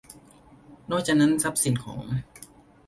นอกจากนั้นทรัพย์สินของ